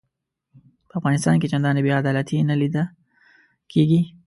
په افغانستان کې چنداني بې عدالتي نه لیده کیږي.